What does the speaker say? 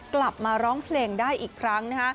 กลับมาร้องเพลงได้อีกครั้ง